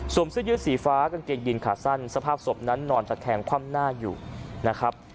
เสื้อยืดสีฟ้ากางเกงยินขาสั้นสภาพศพนั้นนอนตะแคงคว่ำหน้าอยู่นะครับ